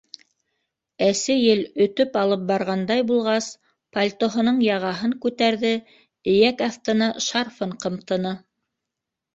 Әсе ел өтөп алып барғандай булғас, пальтоһының яғаһын күтәрҙе, эйәк аҫтына шарфын ҡымтыны.